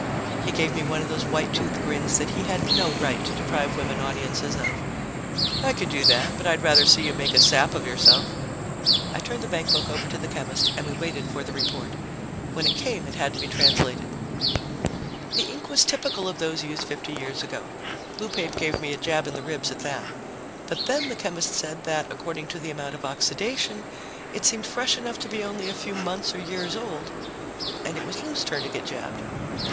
He gave me one of those white tooth grins that he had no right to deprive women audiences of. "I could do that, but I'd rather see you make a sap of yourself." I turned the bankbook over to the chemist and we waited for the report. When it came, it had to be translated. The ink was typical of those used 50 years ago. Lou Pape gave me a jab in the ribs at that. But then the chemist said that, according to the amount of oxidation, it seemed fresh enough to be only a few months or years old, and it was Lou's turn to get jabbed.